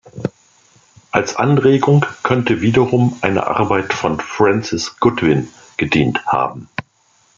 Als Anregung könnte wiederum eine Arbeit von Francis Godwin gedient haben.